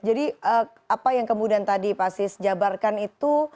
jadi apa yang kemudian tadi pak sis jabarkan itu